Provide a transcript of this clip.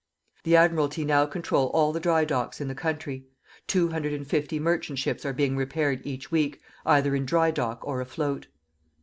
The Admiralty now control all the dry docks in the country,... 250 merchant ships are being repaired each week, either in dry dock or afloat.